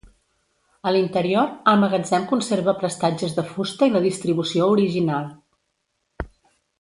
A l'interior, el magatzem conserva prestatges de fusta i la distribució original.